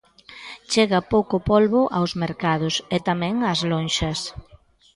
Chega pouco polbo aos mercados e tamén ás lonxas.